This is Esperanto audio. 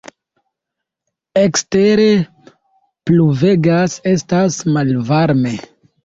Ekstere pluvegas, estas malvarme.